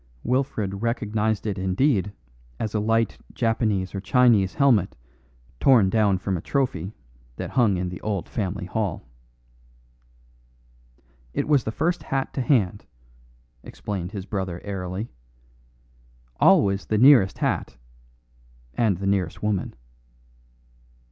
Wilfred recognised it indeed as a light Japanese or Chinese helmet torn down from a trophy that hung in the old family hall. "It was the first hat to hand," explained his brother airily; "always the nearest hat and the nearest woman."